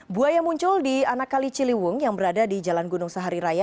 buaya muncul di anak kali ciliwung yang berada di jalan gunung sahari raya